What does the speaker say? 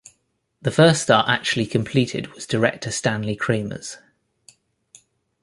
The first star actually completed was director Stanley Kramer's.